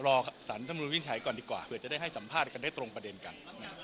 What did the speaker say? รอสารธรรมนุนวินิจฉัยก่อนดีกว่าเผื่อจะได้ให้สัมภาษณ์กันได้ตรงประเด็นกัน